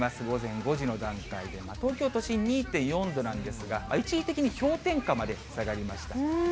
午前５時の段階で、東京都心２．４度なんですが、一時的に氷点下まで下がりました。